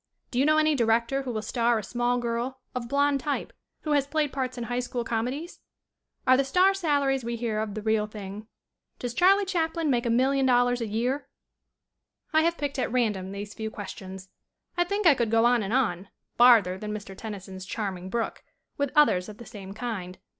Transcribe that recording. "Do you know any director who will star a small girl, of blond type, who has played parts in high school come dies?" "Are the star salaries we hear of the real thing?" "Does Charlie Chaplin make $1,000,000 a year?" I have picked at random these few questions. I think I could go on and on, farther than Mr. Tennyson's charming brook, with others of the same kind.